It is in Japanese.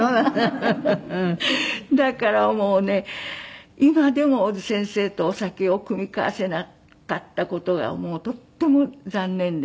だからもうね今でも小津先生とお酒を酌み交わせなかった事がとっても残念でね。